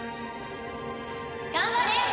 頑張れ！